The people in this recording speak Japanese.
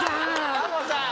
タモさん